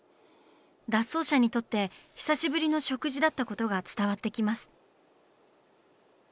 脱走者にとって久しぶりの食事だったことが伝わってきます。